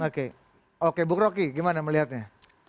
oke oke bu rocky gimana melihatnya